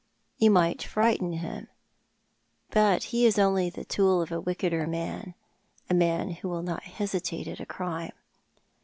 299 " You may friglitcn him— but ho is only the tool of a wickeder m^n — a man who will uot hesitate at a crime."